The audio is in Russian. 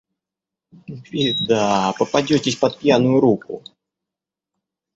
Беда, попадетесь под пьяную руку.